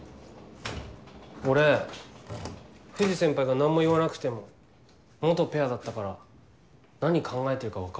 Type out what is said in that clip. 俺藤先輩が何も言わなくても元ペアだったから何考えてるか分かります。